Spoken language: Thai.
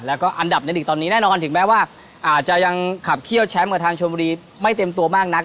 แล้วก็อันดับในหลีกตอนนี้แน่นอนถึงแม้ว่าอาจจะยังขับเขี้ยวแชมป์กับทางชมบุรีไม่เต็มตัวมากนัก